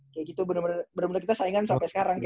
kayak gitu bener bener kita saingan sampai sekarang